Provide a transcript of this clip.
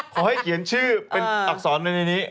ขอให้เขียนชื่อเป็นอักษรในนี้